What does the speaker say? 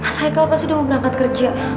mas haikal pasti udah mau berangkat kerja